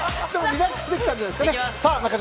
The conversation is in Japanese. リラックスできたんじゃないでしょうか。